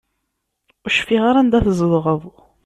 Ur cfiɣ ara anda tzedɣeḍ.